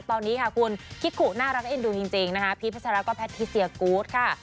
ตอนนี้คุณคิกกุน่ารักเอ็นดูจริงพีชพระชะลักษณ์ก็แพททิเซียกู๊ดค่ะ